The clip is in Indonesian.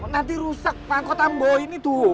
nanti rusak pangkotan gue ini tuh